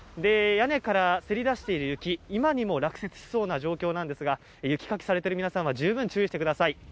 屋根からせり出している雪、今にも落雪しそうな状況なんですが、雪かきされてる皆さんは、十分注意してください。